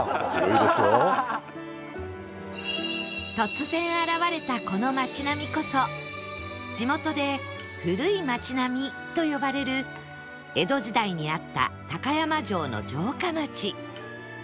突然現れたこの町並みこそ地元で「古い町並」と呼ばれる江戸時代にあった高山城の城下町